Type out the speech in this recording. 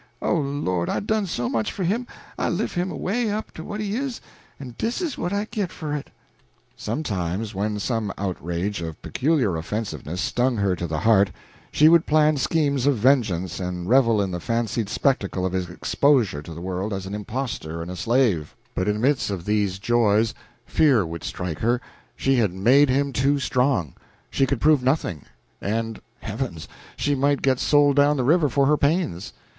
Oh, Lord, I done so much for him I lift' him away up to what he is en dis is what I git for it." Sometimes when some outrage of peculiar offensiveness stung her to the heart, she would plan schemes of vengeance and revel in the fancied spectacle of his exposure to the world as an imposter and a slave; but in the midst of these joys fear would strike her: she had made him too strong; she could prove nothing, and heavens, she might get sold down the river for her pains!